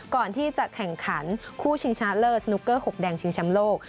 ก่อนที่จะแข่งขันคู่ชิงชนะเลิศสนุกเกอร์๖แดงชิงแชมป์โลก